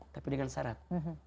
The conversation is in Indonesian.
tapi dengan syarat